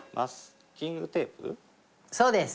そうです！